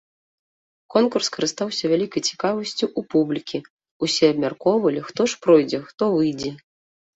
Конкурс карыстаўся вялікай цікавасцю ў публікі, усе абмяркоўвалі, хто ж пройдзе, хто выйдзе.